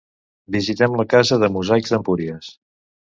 Visitem la Casa dels Mosaics d'Empúries.